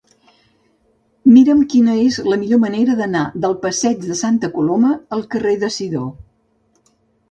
Mira'm quina és la millor manera d'anar del passeig de Santa Coloma al carrer de Sidó.